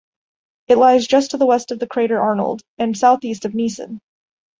It lies just to the west of the crater Arnold, and southeast of Neison.